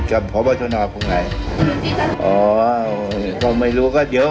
ก็เป็นช่องทางคือไม่ใช่ออกกลางหลาน